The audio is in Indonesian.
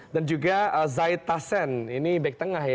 dan juga zaid tassin ini back tengah ya